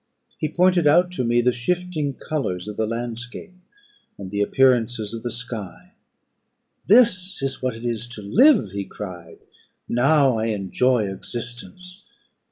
He pointed out to me the shifting colours of the landscape, and the appearances of the sky. "This is what it is to live," he cried, "now I enjoy existence!